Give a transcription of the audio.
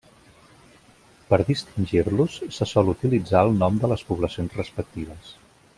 Per distingir-los se sol utilitzar el nom de les poblacions respectives.